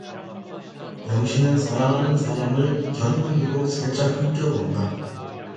영신은 사랑하는 사람을 곁눈으로 살짝 흘겨본다.